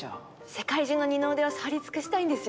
世界中の二の腕を触り尽くしたいんですよね？